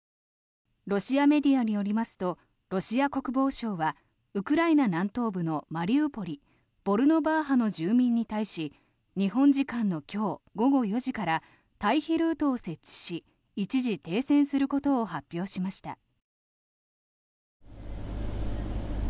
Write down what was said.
ロシアメディアによりますとロシア国防省はウクライナ南東部のマリウポリボルノバーハの住民に対し日本時間の今日午後４時から退避ルートを設置し一時停戦することを発表しました。